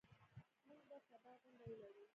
موږ به سبا غونډه ولرو.